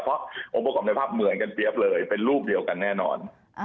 เพราะโอปกรัมได้ภาพเหมือนกันเตรียบเลยเป็นรูปเดียวกันแน่นอน